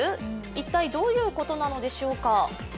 一体、どういうことなのでしょうか